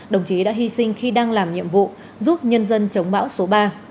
đồng chí đã hy sinh khi đang làm nhiệm vụ giúp nhân dân chống bão số ba